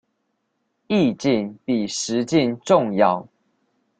意境比實境重要